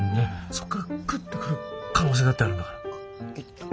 そっからクッて来る可能性だってあるんだから。